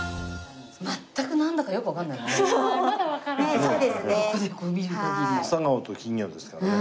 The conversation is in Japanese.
全くなんだかよくわかんないね。